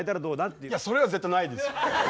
いやそれは絶対ないです。